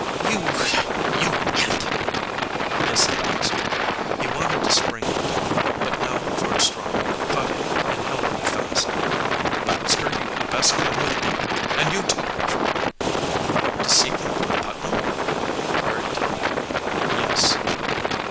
"You you imp!" hissed Baxter. He wanted to spring at Tom, but now George Strong caught him and held him fast. "Baxter, you had best come with me and you too, Rover." "To see Captain Putnam?" queried Tom. "Yes."